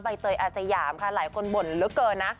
เตยอาสยามค่ะหลายคนบ่นเหลือเกินนะ